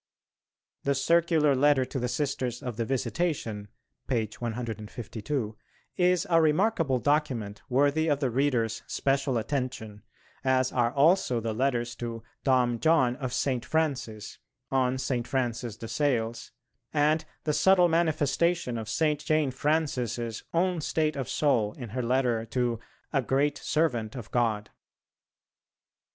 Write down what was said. The circular letter to the Sisters of the Visitation (page 152) is a remarkable document worthy of the reader's special attention, as are also the letters to "Dom John of St. Francis" on St. Francis de Sales, and the subtle manifestation of St. Jane Frances' own state of soul in her letter to "A great Servant of God."